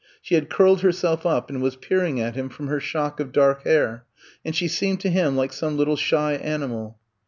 She had curled herself up and was peering at him from her shock of dark hair, and she seemed to him like some little shy animal.